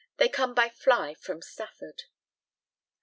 They come by fly from Stafford.